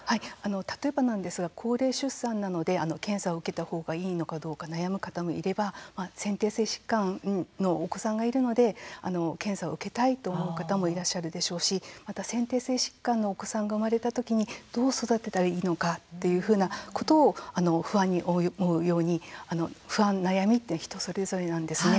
例えばなんですが高齢出産なので検査を受けたほうがいいのかどうか悩む方もいれば先天性疾患のお子さんがいるので検査を受けたいと思う方もいらっしゃるでしょうしまた、先天性疾患のお子さんが生まれたときにどう育てたらいいのかというふうなことを不安に思うように不安、悩みというのは人それぞれなんですね。